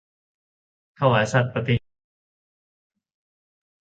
ถวายสัตย์ปฏิญาณ